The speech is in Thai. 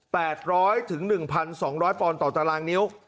๘๐๐๑๒๐๐ปอนด์ต่อตารางนิ้ว